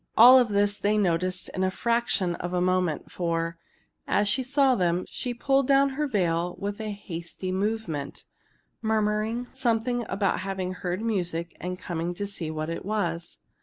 All this they noticed in the fraction of a moment, for, as she saw them, she pulled down her veil with a hasty movement, murmuring something about having heard music and coming to see what it was.